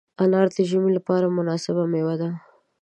انار د ژمي لپاره مناسبه مېوه ده.